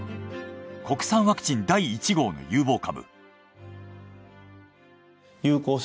国産ワクチン第１号の有望株。